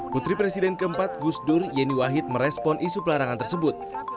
putri presiden keempat gusdur yeni wahid merespon isu pelarangan tersebut